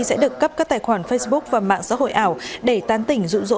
sẽ được cấp các tài khoản facebook và mạng xã hội ảo để tán tỉnh dụ dỗ